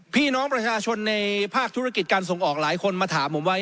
พี่น้องประชาชนในภาคธุรกิจการส่งออกหลายคนมาถามผมว่า